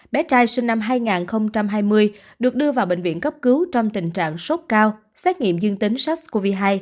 bé trai sinh năm hai nghìn hai mươi được đưa vào bệnh viện cấp cứu trong tình trạng sốt cao xét nghiệm dương tính sars cov hai